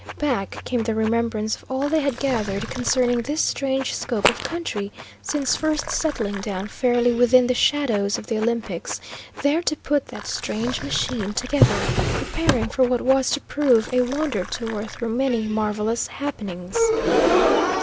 Back came the remembrance of all they had gathered concerning this strange scope of country since first settling down fairly within the shadows of the Olympics, there to put that strange machine together, preparing for what was to prove a wonder tour through many marvellous happenings.